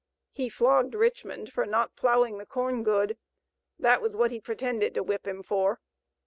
He flogged Richmond for not ploughing the corn good, that was what he pretended to whip him for.